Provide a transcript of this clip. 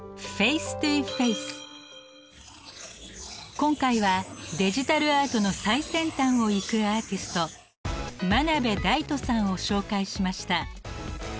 今回はデジタルアートの最先端を行くアーティスト真鍋大度さんを紹介しました。